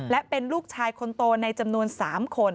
และเป็นลูกชายคนโตในจำนวน๓คน